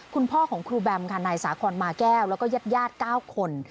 คุณพ่อของครูแบมค่ะนายสาคอนมาแก้วแล้วก็ญาติ๙คน